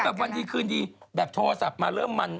ก็แบบวันที่คืนนี้แบบโทรศัพท์มาเริ่มมัน